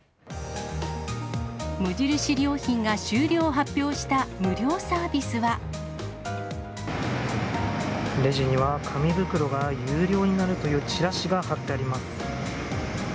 無印良品が終了を発表した無レジには、紙袋が有料になるというチラシが貼ってあります。